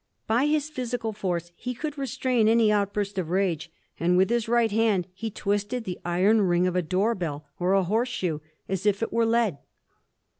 By his physical force he could restrain any outburst of rage: and with his right hand he twisted the iron ring of a door bell, or a horse shoe, as if it were lead.